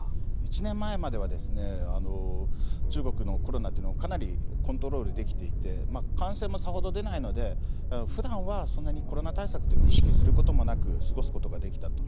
１年前までは中国のコロナというのかなりコントロールできていて感染もさほど出ないのでふだんはそんなにコロナ対策って意識することもなく過ごすことができたと。